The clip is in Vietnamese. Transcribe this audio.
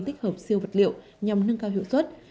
tích hợp siêu vật liệu nhằm nâng cao hiệu suất